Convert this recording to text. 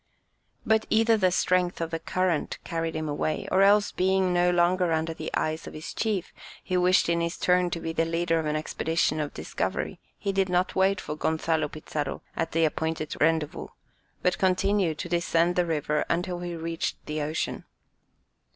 But either the strength of the current carried him away, or else being no longer under the eyes of his chief, he wished in his turn to be the leader of an expedition of discovery; he did not wait for Gonzalo Pizarro at the appointed rendezvous, but continued to descend the river until he reached the ocean.